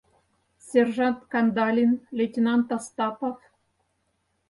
Сержант Кандалин, лейтенант Остапов...